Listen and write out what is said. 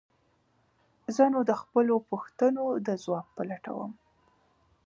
زه نو د خپلو پوښتنو د ځواب په لټه وم.